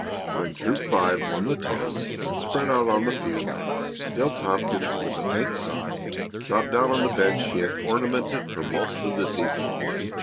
When Troop Five won the toss and spread out on the field, Dale Tompkins, with a faint sigh, dropped down on the bench he had ornamented for most of the season.